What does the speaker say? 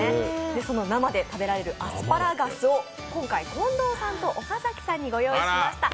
その生で食べられるアスパラガスを今回、近藤さんと岡崎さんにご用意いたしました。